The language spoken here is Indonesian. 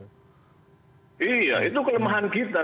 iya itu kelemahan kita